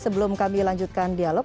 sebelum kami lanjutkan dialog